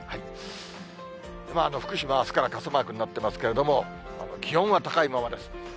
福島はあすから傘マークになってますけれども、気温は高いままです。